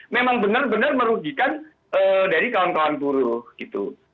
memang benar benar merugikan dari kawan kawan buruh gitu